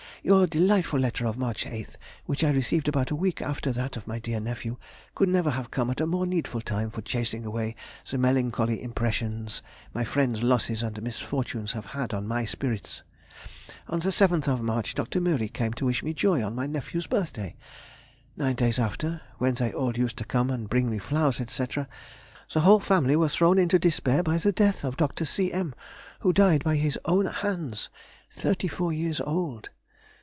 — Your delightful letter of March 8th, which I received about a week after that of my dear nephew, could never have come at a more needful time for chasing away the melancholy impressions my friends' losses and misfortunes have had on my spirits. On the 7th of March Dr. Mühry came to wish me joy on my nephew's birthday. Nine days after, when they all used to come and bring me flowers, &c., the whole family were thrown into despair by the death of Dr. C. M., who died by his own hands (thirty four years old).